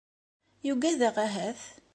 Yugad-aɣ ahat ?